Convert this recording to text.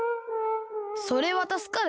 「それはたすかる。